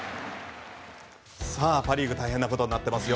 パ・リーグ大変なことになってますよ。